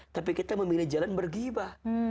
tapi kita memilih jalan bergibah